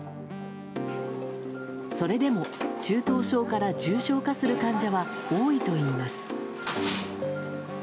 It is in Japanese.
それでも、中等症から重症化する患者は多いといいます。